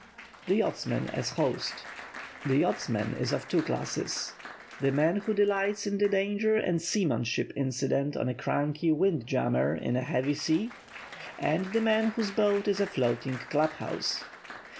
[Sidenote: THE YACHTSMAN AS HOST] The yachtsman is of two classes,—the man who delights in the dangers and seamanship incident on a cranky "wind jammer" in a heavy sea, and the man whose boat is a floating club house.